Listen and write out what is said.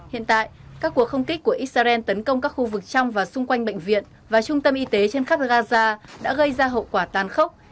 hiện tại các cuộc không kích của israel tấn công các khu vực trong và xung quanh bệnh viện và trung tâm y tế trên khắp gaza đã gây ra hậu quả tan khốc